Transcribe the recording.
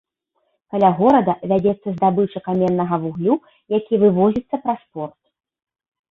Каля горада вядзецца здабыча каменнага вуглю, які вывозіцца праз порт.